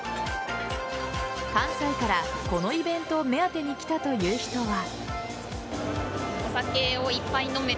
関西からこのイベントを目当てに来たという人は。